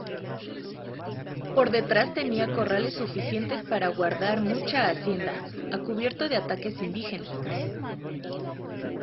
Por detrás tenía corrales suficientes para guardar mucha hacienda, a cubierto de ataques indígenas.